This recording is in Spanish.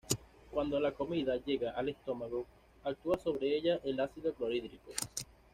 Cuando la comida llega al estómago, actúa sobre ella el ácido clorhídrico.